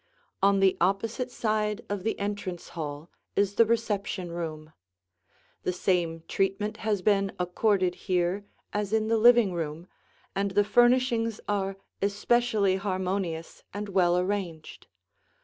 On the opposite side of the entrance hall is the reception room. The same treatment has been accorded here as in the living room, and the furnishings are especially harmonious and well arranged.